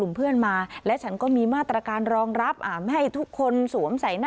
มันอาจจะเสี่ยงต่อการระบาดของโควิด๑๙